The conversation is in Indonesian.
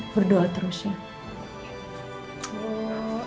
berdoa terus ya